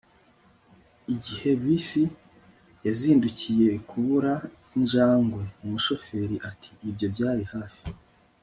igihe bisi yazindukiye kubura injangwe, umushoferi ati ibyo byari hafi